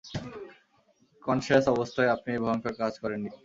Conscious অবস্থায় আপনি এই ভয়ংকর কাজ করেন নি।